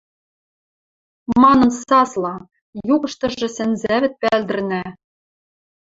— манын сасла, юкыштыжы сӹнзӓвӹд пӓлдӹрнӓ.